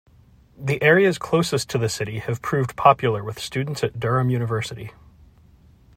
The areas closest to the city have proved popular with students at Durham University.